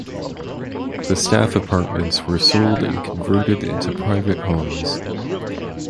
The staff apartments were sold and converted into private homes.